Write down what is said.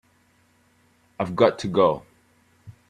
I've got to go.